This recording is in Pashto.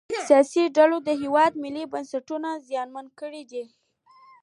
سیاسي ډلو د هیواد ملي بنسټونه زیانمن کړي دي